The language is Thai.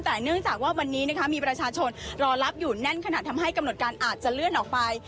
แต่เนื่องจากว่าวันนี้นะคะมีประชาชนรอรับอยู่แน่นขนาดทำให้กำหนดการอาจจะเลื่อนออกไป